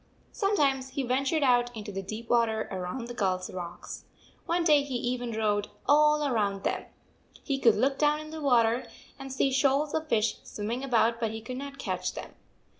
Sometimes he ventured out into the deep water around the gulls rocks. One day he even rowed all round them. He could look down into the water and see shoals of fish swimming about, but he could not catch them.